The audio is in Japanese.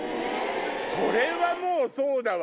これはもうそうだわ。